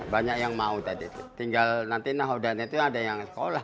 banyak yang mau tadi tinggal nanti nahodane itu ada yang sekolah